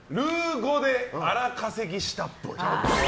語で荒稼ぎしたっぽい。